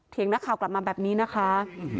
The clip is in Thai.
เถียงนักข่ากลับมาแบบนี้นะคะ